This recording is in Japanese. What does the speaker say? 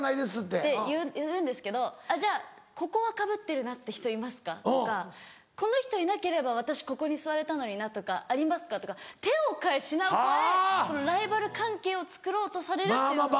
って言うんですけど「じゃあここはかぶってるなって人いますか？」とか「この人いなければ私ここに座れたのになとかありますか？」とか手を替え品を替えライバル関係をつくろうとされるっていうのが。